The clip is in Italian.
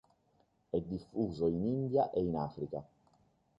È diffuso in India e in Africa.